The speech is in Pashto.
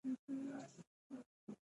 افغانستان په دریابونه باندې تکیه لري.